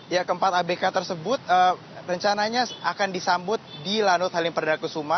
ya keempat abk tersebut rencananya akan disambut di lanut halim perdana kusuma